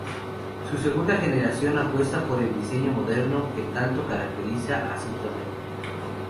Su segunda generación apuesta por el diseño moderno que tanto caracteriza a Citroën.